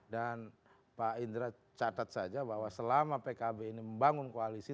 dan pak indra catat saja bahwa selama pkb ini membangun koalisi